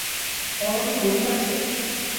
আমার কথা কি বোরিং লাগছে?